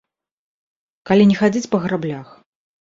Калі не хадзіць па граблях.